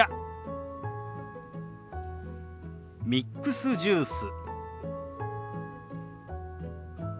「ミックスジュース」。